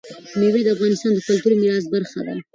مېوې د افغانستان د کلتوري میراث برخه ده.